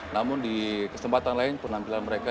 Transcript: namun di kesempatan lain penampilan mereka